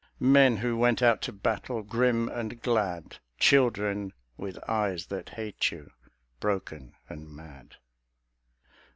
Men who went out to battle, grim and glad; Children, with eyes that hate you, broken and mad.